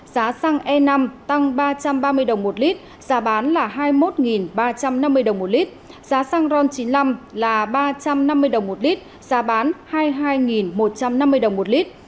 giá xăng e năm tăng ba trăm ba mươi đồng một lít giá bán là hai mươi một ba trăm năm mươi đồng một lít giá xăng ron chín mươi năm là ba trăm năm mươi đồng một lít giá bán hai mươi hai một trăm năm mươi đồng một lít